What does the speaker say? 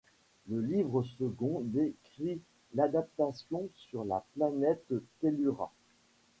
Le livre second décrit l'adaptation sur la planète Tellura.